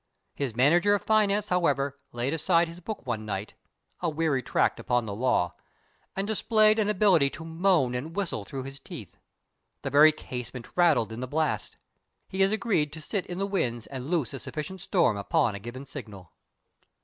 His manager of finance, however, laid aside his book one night a weary tract upon the law and displayed an ability to moan and whistle through his teeth. The very casement rattled in the blast. He has agreed to sit in the wings and loose a sufficient storm upon a given signal.